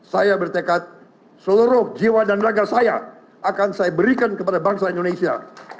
saya bertekad seluruh jiwa dan raga saya akan saya berikan kepada bangsa indonesia